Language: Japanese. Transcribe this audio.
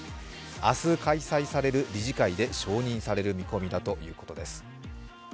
明日、開催される理事会で承認される見込みだということです。